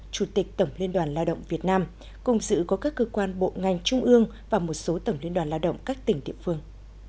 chủ tịch tổng liên đoàn lao động việt nam cùng sự có các cơ quan bộ ngành trung ương và một số tổng liên đoàn lao động các tỉnh địa phương